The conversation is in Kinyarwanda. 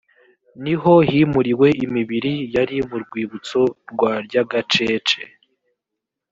ni ho himuriwe imibiri yari mu rwibutso rwa ryagacece